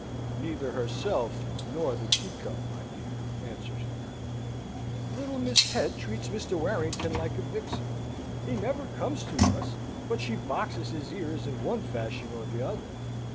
"Neither herself nor the teacup, my dear," answers the Colonel. Little Miss Het treats Mr. Warrington like a vixen. He never comes to us, but she boxes his ears in one fashion or t'other.